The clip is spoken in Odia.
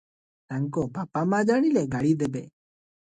ତାଙ୍କ ବାପା ମା ଜାଣିଲେ ଗାଳି ଦେବେ ।